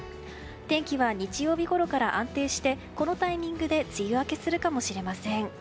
天気は日曜日ごろから安定してこのタイミングで梅雨明けするかもしれません。